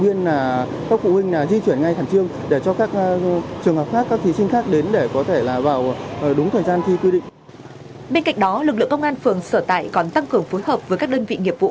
bên cạnh đó lực lượng công an phường sở tại còn tăng cường phối hợp với các đơn vị nghiệp vụ